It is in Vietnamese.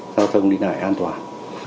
giao thông đi lại an toàn